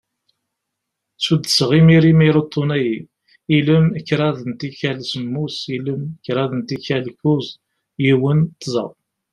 Suddseɣ imir imir uṭṭun-agi: ilem, kraḍ n tikal semmus, ilem, kraḍ n tikal kuẓ, yiwen, tẓa.